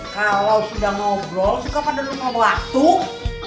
kalau sudah ngobrol suka pada dulu ngobrol atuk